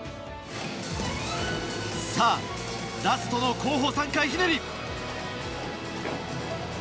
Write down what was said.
さあ、ラストの後方３回ひねり。